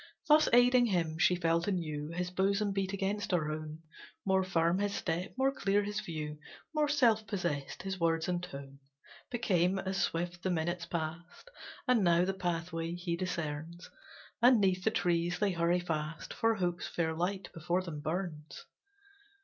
Thus aiding him she felt anew His bosom beat against her own More firm his step, more clear his view, More self possessed his words and tone Became, as swift the minutes past, And now the pathway he discerns, And 'neath the trees, they hurry fast, For Hope's fair light before them burns.